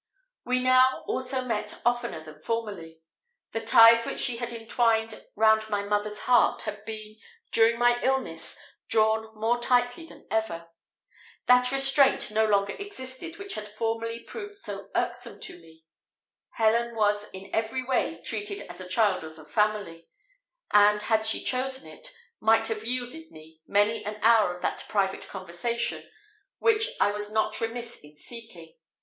We now also met oftener than formerly. The ties which she had entwined round my mother's heart had been, during my illness, drawn more tightly than ever. That restraint no longer existed which had formerly proved so irksome to me; Helen was in every way treated as a child of the family; and, had she chosen it, might have yielded me many an hour of that private conversation which I was not remiss in seeking.